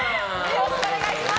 よろしくお願いします。